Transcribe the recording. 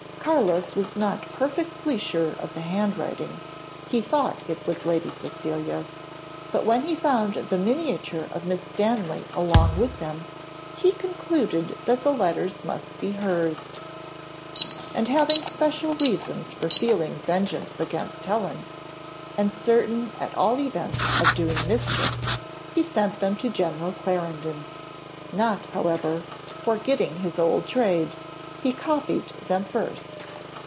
Carlos was not perfectly sure of the handwriting; he thought it was Lady Cecilia's; but when he found the miniature of Miss Stanley along with them, he concluded that the letters must be hers. And having special reasons for feeling vengeance against Helen, and certain at all events of doing mischief, he sent them to General Clarendon: not, however, forgetting his old trade, he copied them first.